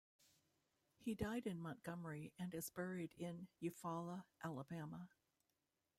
He died in Montgomery and is buried in Eufaula, Alabama.